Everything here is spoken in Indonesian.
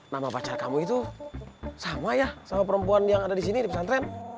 nama pacar kamu itu sama ya sama perempuan yang ada di sini di pesantren